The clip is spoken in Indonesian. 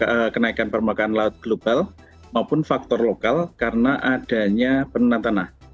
ada kenaikan permukaan laut global maupun faktor lokal karena adanya penurunan tanah